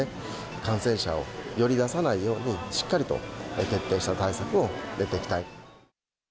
感染者をより出さないように、しっかりと徹底した対策をやっていきたい。